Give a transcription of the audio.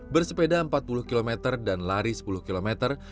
bersepeda empat puluh km dan lari sepuluh kilometer